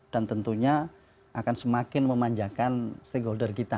dan tentunya akan semakin memanjakan stakeholder kita